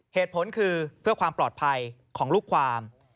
เหตุผลคือเพื่อความปลอดภัยของลูกความ